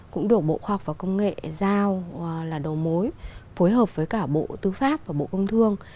cũng được bộ khoa học và công nghệ giao là đầu mối phối hợp với cả bộ tư pháp và bộ công thương